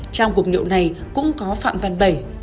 trong cuộc nhậu này cũng có phạm văn bẩy